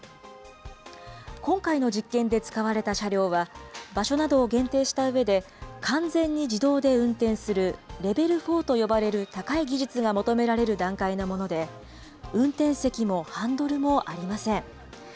今回の実験で使われた車両は、場所などを限定したうえで、完全に自動で運転するレベル４と呼ばれる高い技術が求められる段階のもので、運転席もハンドルもありません。